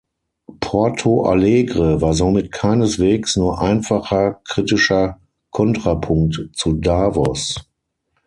Porto Alegre war somit keineswegs nur einfacher kritischer Kontrapunkt zu Davos.